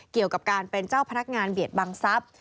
เกี่ยวกับการเป็นเจ้าพนักงานเบียดบังทรัพย์